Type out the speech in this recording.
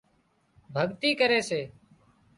ڀڳتي ڪري سي